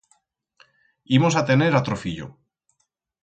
Imos a tener atro fillo.